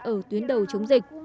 ở tuyến đầu chống dịch